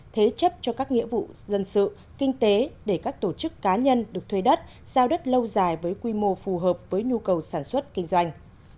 thế chấp cho các nghĩa vụ dân sự kinh tế để các tổ chức cá nhân được thuê đất giao đất lâu dài với quy mô phù hợp với nhu cầu sản xuất kinh doanh